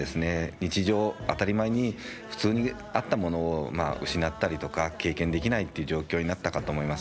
日常当たり前に普通にあったものを失ったりとか経験できないという状況になったかと思います。